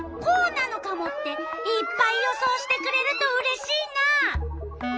こうなのカモ？」っていっぱい予想してくれるとうれしいな！